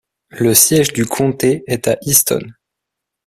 Le siège du comté est à Easton.